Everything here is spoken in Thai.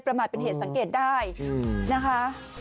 ประมาทเป็นเหตุสังเกตได้นะคะ